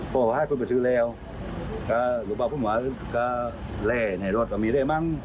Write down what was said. ก็หลุบบ่าวคนหวะก็แหละในรถอ่ะมีอะไรบ้าง